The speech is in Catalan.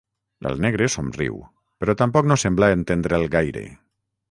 El negre somriu, però tampoc no sembla entendre'l gaire.